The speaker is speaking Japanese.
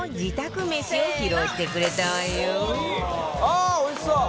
おいしそう！